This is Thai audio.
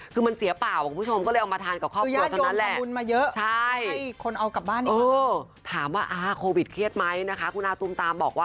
คือมันเสี่ยเปล่า